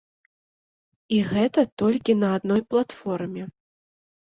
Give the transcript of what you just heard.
І гэта толькі на адной платформе.